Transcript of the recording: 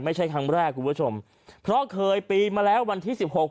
ไม่ใช่ครั้งแรกคุณผู้ชมเพราะเคยปีนมาแล้ววันที่สิบหก